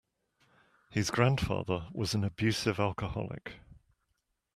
His grandfather was an abusive alcoholic.